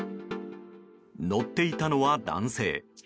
乗っていたのは男性。